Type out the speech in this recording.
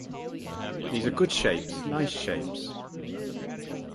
These are good shapes, nice shapes.